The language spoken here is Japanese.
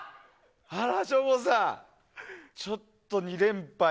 あら、省吾さんちょっと２連敗。